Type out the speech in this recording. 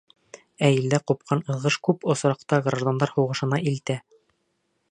Ә илдә ҡупҡан ыҙғыш күп осраҡта граждандар һуғышына илтә.